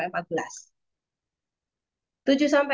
ini mengaruhi tahap tujuh sampai empat belas